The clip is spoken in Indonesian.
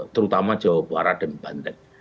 terutama jawa barat dan banten